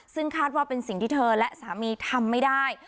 ซึ่งคาดว่าเป็นสิ่งที่เธอและสามีทำไม่ได้